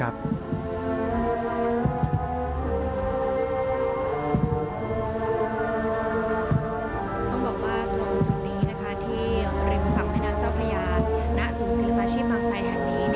ต้องบอกว่าตรงจุดนี้ที่ริมฝั่งแม่น้ำเจ้าพระยาณศูนย์ศิลปาชีพบางไซแห่งนี้